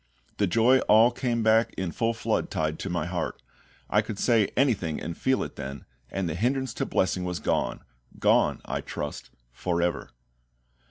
The joy all came back in full flood tide to my heart; I could say anything and feel it then, and the hindrance to blessing was gone gone, I trust, for ever.